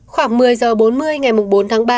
khoảng một mươi h bốn mươi ngày bốn tháng ba